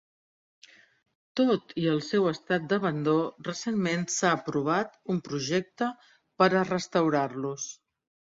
Tot i el seu estat d'abandó, recentment s'ha aprovat un projecte per a restaurar-los.